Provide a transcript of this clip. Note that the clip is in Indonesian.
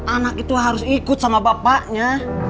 anak itu harus ikut sama bapaknya